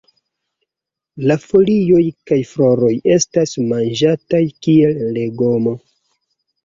La folioj kaj floroj estas manĝataj kiel legomo.